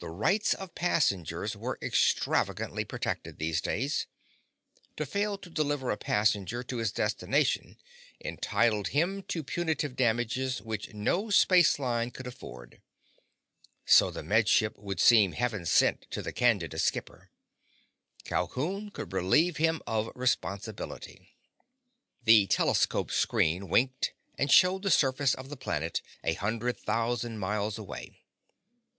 The rights of passengers were extravagantly protected, these days. To fail to deliver a passenger to his destination entitled him to punitive damages which no spaceline could afford. So the Med Ship would seem heaven sent to the Candida's skipper. Calhoun could relieve him of responsibility. The telescope screen winked and showed the surface of the planet a hundred thousand miles away.